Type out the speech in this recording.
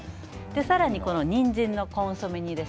さらににんじんのコンソメ煮です。